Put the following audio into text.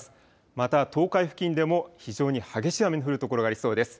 また、東海付近でも、非常に激しい雨の降る所がありそうです。